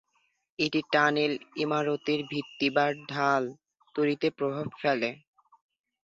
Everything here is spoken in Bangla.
এটি টানেল, ইমারতের ভিত্তি বা ঢাল তৈরিতে প্রভাব ফেলে।